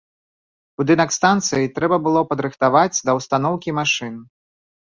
Будынак станцыі трэба было падрыхтаваць да ўстаноўкі машын.